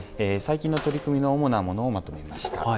最近の取り組みの主なものをまとめました。